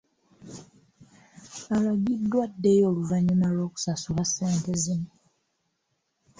Alagiddwa addeyo oluvannyuma lw'okusasula ssente zino.